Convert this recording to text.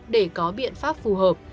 để có biện pháp phù hợp